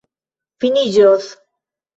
finiĝos